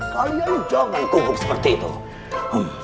kalian jangan tuguk seperti itu